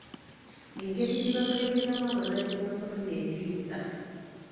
Engeri gye bakeberamu abalwadde ba kolona etiisa!